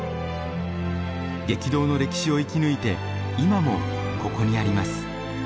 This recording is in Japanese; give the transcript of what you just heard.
激動の歴史を生き抜いて今もここにあります。